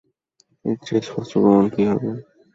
এর চেয়ে স্পষ্ট প্রমাণ কী হবে?